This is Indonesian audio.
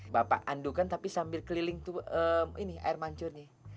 bapak andukan tapi sambil keliling tuh ini air mancur nih